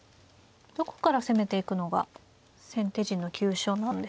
どこから攻めていくのが先手陣の急所なんでしょうか。